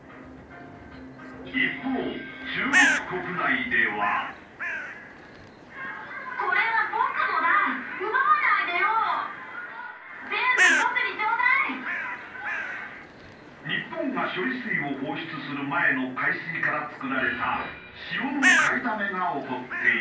一方日本が処理水を放出する前の海水から作られた塩の買いだめが起こっている。